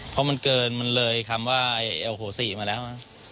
เพราะมันเกินมันเลยคำว่าโอโหสิมาแล้ว